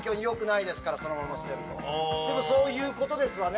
でもそういうことですわね。